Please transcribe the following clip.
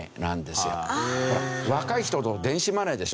若い人ほど電子マネーでしょ？